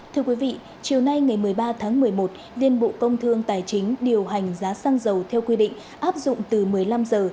thưa quý vị chiều nay ngày một mươi ba tháng một mươi một liên bộ công thương tài chính điều hành giá xăng dầu theo quy định áp dụng từ một mươi năm h